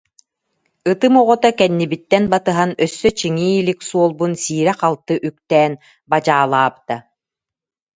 Ытым оҕото кэннибиттэн батыһан, өссө чиҥии илик суолбун сиирэ-халты үктээн бадьаалаабыта